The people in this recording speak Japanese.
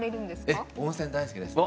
ええ温泉大好きです。